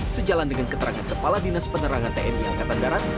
sejalan dengan keterangan kepala dinas penerangan tni angkatan darat